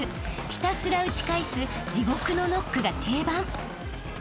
ひたすら打ち返す地獄のノックが定番］